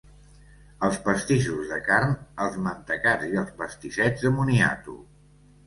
Els pastissos de carn, els mantecats i els pastissets de moniato.